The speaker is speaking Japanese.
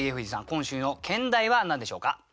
今週の兼題は何でしょうか。